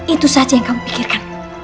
itu saja yang kau pikirkan